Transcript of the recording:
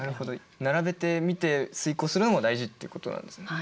並べてみて推こうするのも大事っていうことなんですね。